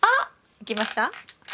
いきました？